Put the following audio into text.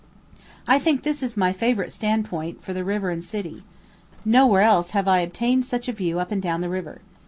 I think this is my favorite stand point for the river and city. Nowhere else have I obtained such a view up and down the river.